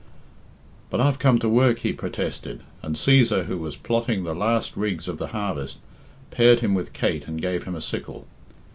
"But I've come to work," he protested, and Cæsar who, was plotting the last rigs of the harvest, paired him with Kate and gave him a sickle.